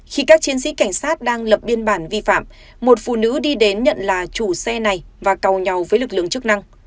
khi các chiến sĩ cảnh sát đang lập biên bản vi phạm một phụ nữ đi đến nhận là chủ xe này và cầu nhau với lực lượng chức năng